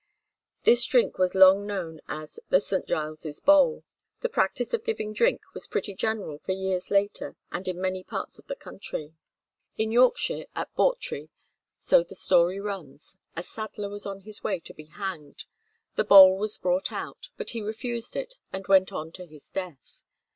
This drink was long known as the "St. Giles's Bowl." The practice of giving drink was pretty general for years later and in many parts of the country. In Yorkshire at Bawtry, so the story runs, a saddler was on his way to be hanged. The bowl was brought out, but he refused it and went on to his death.